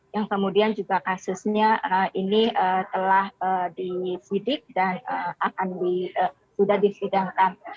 yang kemudian juga kasusnya ini telah disidik dan sudah disidangkan